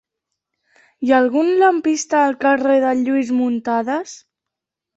Hi ha algun lampista al carrer de Lluís Muntadas?